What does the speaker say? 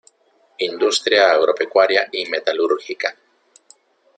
Industria agropecuaria y metalúrgica.